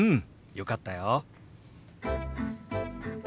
よかったよ。